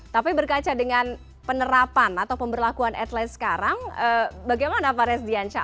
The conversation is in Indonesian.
tapi berkaca dengan penerapan atau pemberlakuan atles sekarang bagaimana pak resdiansyah